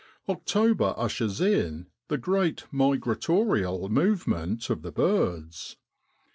October ushers in the great migratorial movement of the birds.